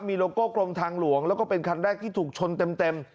มีโลโก้กลมทางหลวงแล้วก็เป็นคันแรกที่ถูกชนเต็ม